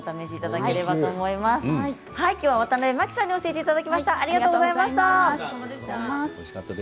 きょうはワタナベマキさんに教えていただきました。